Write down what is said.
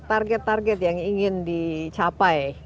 target target yang ingin dicapai